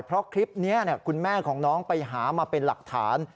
เพราะคลิปนี้คุณแม่ของน้องไปหามาเป็นหลักฐาน